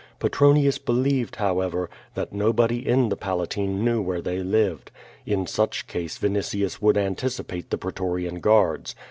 Petronius believed, however, that nobody in the Palatine knew where they lived. In such case Vinitius would anticipate the pretorian guards.